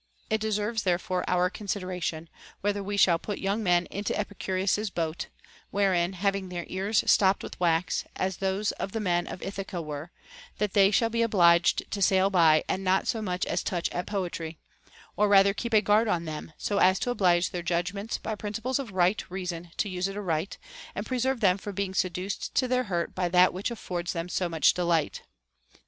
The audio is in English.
It deserves therefore our consideration, whether we shall put young men into Epicurus's boat, — wherein, having their ears stopped with wax, as those of the men of Ithaca were, they shall be obliged to sail by and not so much as touch at poetry, — or rather keep a guard on them, so as to oblige their judgments by principles of right reason to use it aright, and preserve them from being seduced to their hurt by that which affords them so much delight.